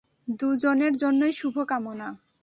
দুজনের জন্যই শুভকামনা।